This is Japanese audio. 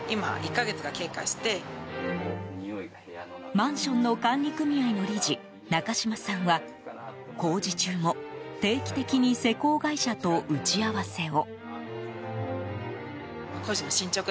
マンションの管理組合の理事中島さんは工事中も定期的に施工会社と打ち合わせを。